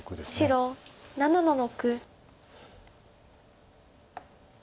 白７の六。